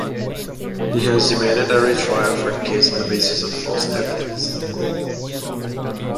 He has demanded a retrial for the case on the basis of false evidence.